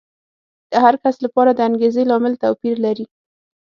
د هر کس لپاره د انګېزې لامل توپیر لري.